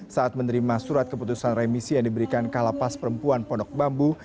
saat menerima surat keputusan remisi yang diberikan kalapas perempuan pondok bambu